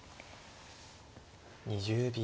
２０秒。